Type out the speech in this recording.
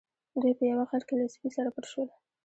دوی په یوه غار کې له سپي سره پټ شول.